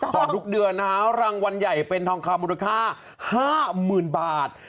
ของทุกเดือนนะฮะรางวัลใหญ่เป็นทองคำมูลค่า๕๐๐๐บาท